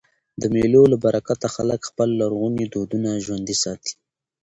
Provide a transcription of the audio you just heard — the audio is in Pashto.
د مېلو له برکته خلک خپل لرغوني دودونه ژوندي ساتي.